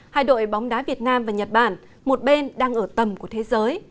hai đội bóng đá việt nam và nhật bản một bên đang ở tầm của thế giới